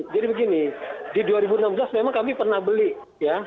jadi begini di dua ribu enam belas memang kami pernah beli ya